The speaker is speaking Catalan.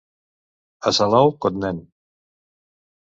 A Salou cotnen.